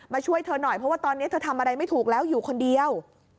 ช่วยเธอหน่อยเพราะว่าตอนนี้เธอทำอะไรไม่ถูกแล้วอยู่คนเดียว